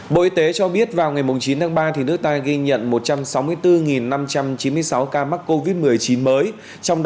bộ y tế cho biết vào ngày chín tháng ba